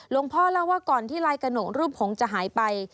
พ่อเล่าว่าก่อนที่ลายกระหนกรูปหงษ์จะหายไป